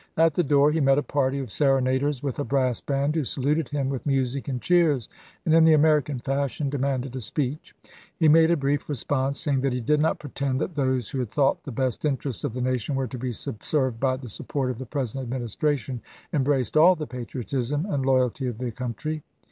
At the door he met a party of serenaders with a brass band who saluted him with music and cheers, and, in the American fashion, demanded a speech. He made a brief response, saying that he did not pretend that those who had thought the best interests of the nation were to be subserved by the support of the present Administration embraced all the patriotism and loyalty of the country.